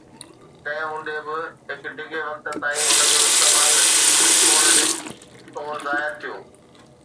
تنهن هوندي به، هڪ ڊگهي وقت تائين ان جو استعمال sporadic طور ظاهر ٿيو